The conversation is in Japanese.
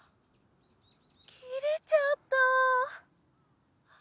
きれちゃった。